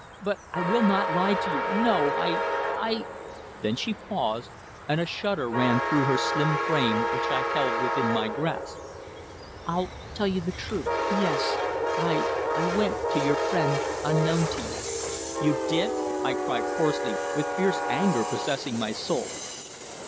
But I will not lie to you. No! I I " Then she paused, and a shudder ran through her slim frame which I held within my grasp. "I'll tell you the truth. Yes. I I went to see your friend unknown to you." "You did!" I cried hoarsely, with fierce anger possessing my soul.